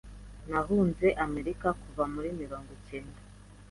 nahunze Amerika kuva muri mirongo icyenda